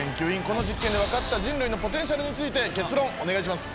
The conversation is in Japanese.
この実験で分かった人類のポテンシャルについて結論お願いします。